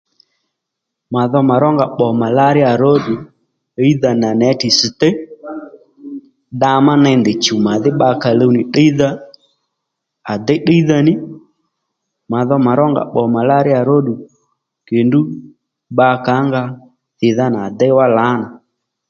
Mà dho mà rónga pbò màláríyà róddù ɦíydha nà nětì ss̀téy dda má ney ndèy chùw màdhí bbakàó luw nì tdíydha à déy tdíydha ní Mà dho mà rónga pbò màláríyà róddù kèddú bba kǎnga thìdha nà à déy wá lǎnà